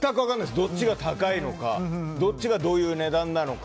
どっちが高いのかどっちがどういう値段なのか。